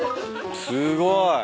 すごい。